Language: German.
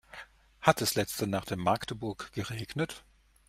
Hat es letzte Nacht in Magdeburg geregnet?